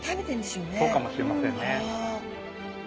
そうかもしれませんね。